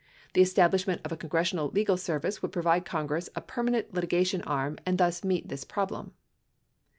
The establish ment of a Congressional Legal Service would provide Congress a permanent litigation arm and thus meet this problem.